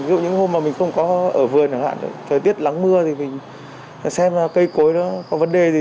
ví dụ những hôm mà mình không có ở vườn thời tiết lắng mưa thì mình xem cây cối có vấn đề gì